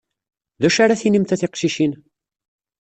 D acu ara tinimt a tiqcicin?